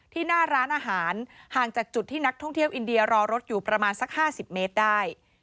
หน้าร้านอาหารห่างจากจุดที่นักท่องเที่ยวอินเดียรอรถอยู่ประมาณสัก๕๐เมตรได้